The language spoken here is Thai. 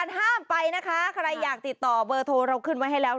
ห้ามไปนะคะใครอยากติดต่อเบอร์โทรเราขึ้นไว้ให้แล้ว